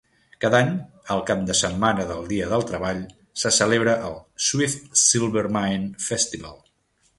Cada any, el cap de setmana del Dia del Treball se celebra el Swift Silver Mine Festival.